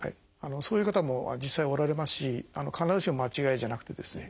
そういう方も実際おられますし必ずしも間違いじゃなくてですね